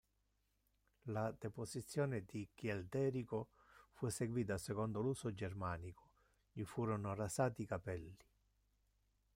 La deposizione di Childerico fu eseguita secondo l'uso germanico: gli furono rasati i capelli.